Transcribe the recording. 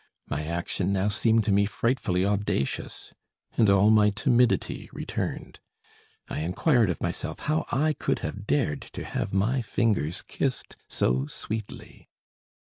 My action now seemed to me frightfully audacious. And all my timidity returned. I inquired of myself how I could have dared to have my fingers kissed so sweetly.